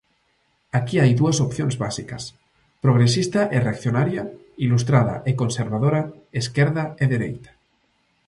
Aquí hai dúas opcións básicas: progresista e reaccionaria, ilustrada e conservadora, esquerda e dereita.